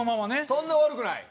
そんな悪くない？